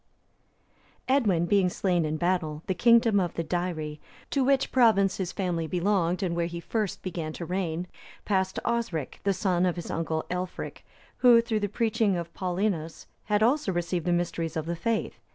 D.] Edwin being slain in battle, the kingdom of the Deiri, to which province his family belonged, and where he first began to reign, passed to Osric, the son of his uncle Aelfric, who, through the preaching of Paulinus, had also received the mysteries of the faith.